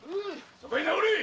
そこへ直れ！